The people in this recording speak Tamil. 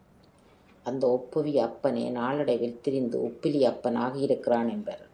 அந்த ஒப்பிவி அப்பனே நாளடைவில் திரிந்து உப்பிலி அப்பன் ஆகியிருக்கிறான் என்பர்.